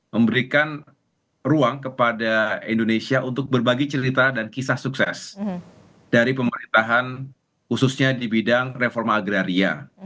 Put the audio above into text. memberikan ruang kepada indonesia untuk berbagi cerita dan kisah sukses dari pemerintahan khususnya di bidang reforma agraria